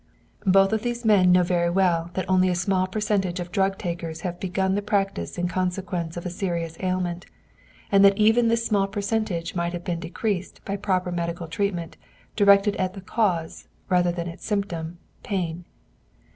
Both of these men know very well that only a small percentage of drug takers have begun the practice in consequence of a serious ailment, and that even this small percentage might have been decreased by proper medical treatment directed at the cause rather than at its symptom, pain.